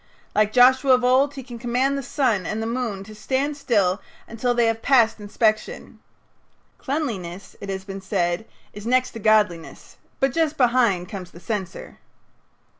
Like Joshua of old, he can command the sun and the moon to stand still until they have passed inspection. Cleanliness, it has been said, is next to godliness, but just behind comes the censor.